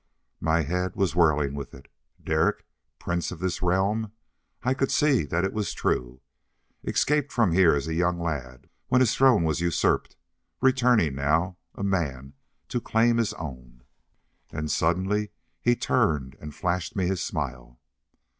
My head was whirling with it. Derek, prince of this realm? I could see that it was true. Escaped from here as a young lad, when his throne was usurped. Returning now, a man, to claim his own. And suddenly he turned and flashed me his smile.